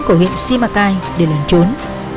của huyện simacai để lần trốn